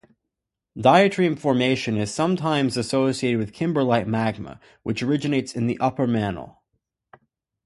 Diatreme formation is sometimes associated with kimberlite magma, which originates in the upper mantle.